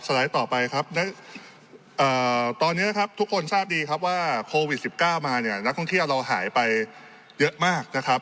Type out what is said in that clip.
ไลด์ต่อไปครับตอนนี้นะครับทุกคนทราบดีครับว่าโควิด๑๙มาเนี่ยนักท่องเที่ยวเราหายไปเยอะมากนะครับ